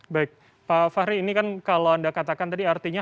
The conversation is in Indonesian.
baik pak fahri ini kan kalau anda katakan tadi artinya